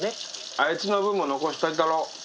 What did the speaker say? あいつの分も残しといたろ。